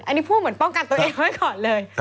อันนี้พูดเหมือนป้องกันตัวเองไว้ก่อนเลย